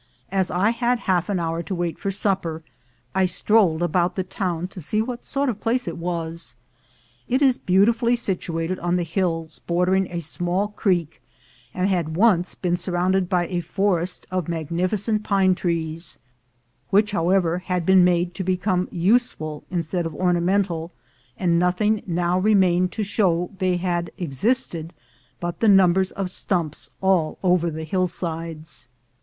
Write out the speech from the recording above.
As I had half an hour to wait for supper, I strolled about the town to see what sort of a place it was. It is beautifully situated on the hills bordering a small creek, and had once been surrounded by a forest of magnificent pine trees, which, however, had been made to become useful instead of ornamental, and nothing now remained to show that they had existed but the numbers of stumps all over the hillsides.